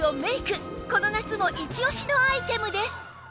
この夏もイチオシのアイテムです